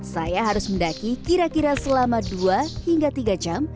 saya harus mendaki kira kira selama dua hingga tiga jam